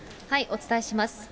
お伝えします。